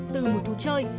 từ mùa thú chơi